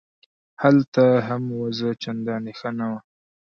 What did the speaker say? هلته هم وضع چندانې ښه نه وه.